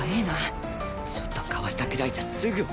ちょっとかわしたくらいじゃすぐ追いつかれる